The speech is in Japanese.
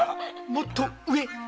もっと上？